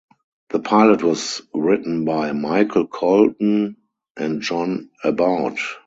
The pilot was written by Michael Colton and John Aboud.